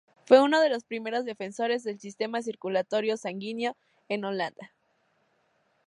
Fue uno de los primeros defensores del sistema circulatorio sanguíneo en Holanda.